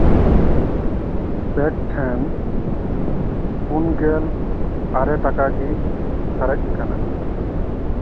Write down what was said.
ᱵᱮᱠ ᱴᱷᱮᱱ ᱯᱩᱱᱜᱮᱞ ᱟᱨᱮ ᱴᱟᱠᱟ ᱜᱮ ᱥᱟᱨᱮᱡ ᱠᱟᱱᱟ᱾